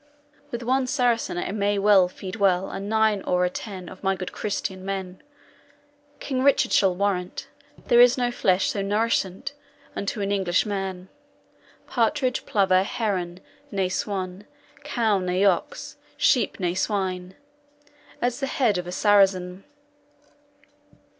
With 0 [One] Saracen I may well feed Well a nine or a ten Of my good Christian men. King Richard shall warrant, There is no flesh so nourissant Unto an English man, Partridge, plover, heron, ne swan, Cow ne ox, sheep ne swine, As the head of a Sarazyn.